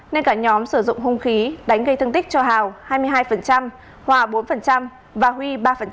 nên cả nhóm sử dụng hung khí đánh gây thương tích cho hào hai mươi hai hòa bốn và huy ba